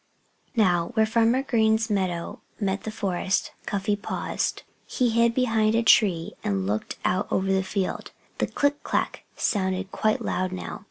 Now, where Farmer Green's meadow met the forest, Cuffy paused. He hid behind a tree and looked out over the field. The click clack sounded quite loud now.